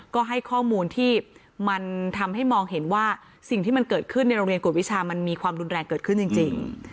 ก็ให้ข้อมูลที่มันทำให้มองเห็นว่าสิ่งที่มันเกิดขึ้นในโรงเรียนกวดวิชามันมีความรุนแรงเกิดขึ้นจริง